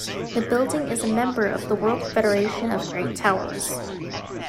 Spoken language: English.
The building is a member of the World Federation of Great Towers.